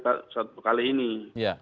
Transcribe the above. ya ya untuk pertama kalinya begitu ya